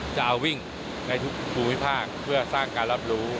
จะเอาวิ่งในทุกภูมิภาคเพื่อสร้างการรับรู้